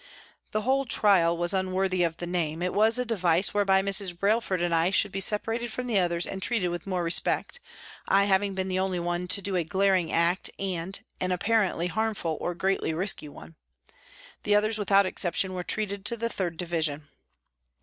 The whole " trial " was unworthy of the name it was a device whereby Mrs. Brails ford and I should be separated from the others and treated with more respect, I having been the only one to do a glaring act and an, apparently, harmful or greatly risky one. The others, without exception, were treated to the 3rd Division.